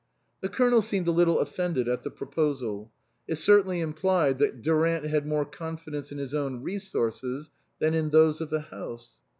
The Colonel seemed a little offended at the proposal ; it certainly implied that Durant had more confidence in his own resources than in those of the house.